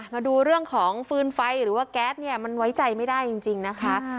มาดูเรื่องของฟืนไฟหรือว่าแก๊สเนี่ยมันไว้ใจไม่ได้จริงนะคะ